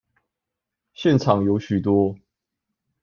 現場有許多